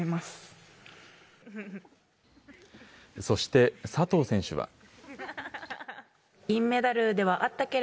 そして佐藤選手は。